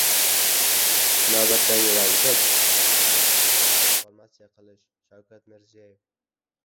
Navbatdagi vazifa – markaziy idoralarni transformasiya qilish- Shavkat Mirziyoyev